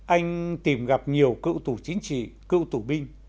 anh tìm gặp nhiều cựu tù chính trị cựu tù binh